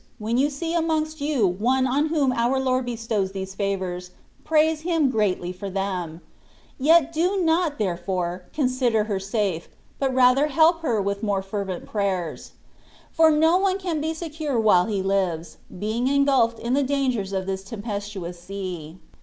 205 when you see amongst you one on whom our Lord bestows these favours, praise Him greatly for them ; yet do not, therefore, consider her safe, but rather help her with more fervent prayers; for no one can be secure while he lives, being engulfed in the dangers of this tempestuous sea.